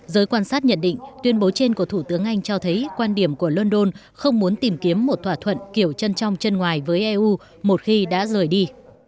giới quan sát nhận định tuyên bố trên của thủ tướng anh cho thấy quan điểm của london không muốn tìm kiếm một thỏa thuận kiểu chân trong chân ngoài với eu một khi đã rời đi